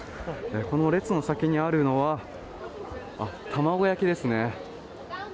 この列の先にあるのは玉子焼ですね。